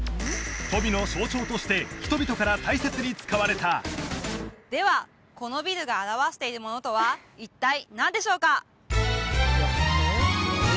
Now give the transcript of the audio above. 富の象徴として人々から大切に使われたではこのビルが表しているものとは一体何でしょうか？